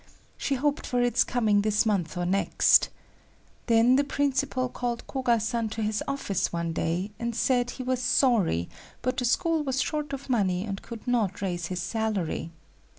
She hoped for its coming this month or next. Then the principal called Koga san to his office one day and said that he was sorry but the school was short of money and could not raise his salary.